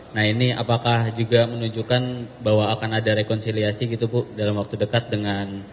nah ini apakah juga menunjukkan bahwa akan ada rekonsiliasi gitu bu dalam waktu dekat dengan